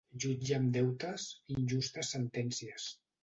Jutge amb deutes, injustes sentències.